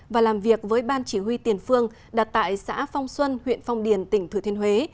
và làm việc với ban chỉ huy tiền phương đặt tại xã phong xuân huyện phong điền tỉnh thừa thiên huế